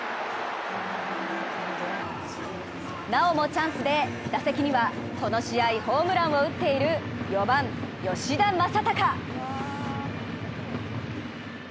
なおもチャンスで打席にはこの試合ホームランを打っている、４番・吉田正尚。